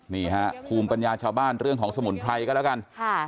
นี่ฮะภูมิปัญญาชาวบ้านเรื่องของสมุนไพรก็แล้วกัน